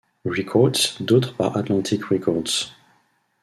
Records, d'autres par Atlantic Records.